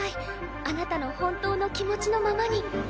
あなたの本当の気持ちのままに。